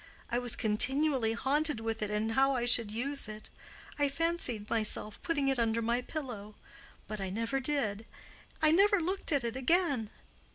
I was continually haunted with it and how I should use it. I fancied myself putting it under my pillow. But I never did. I never looked at it again.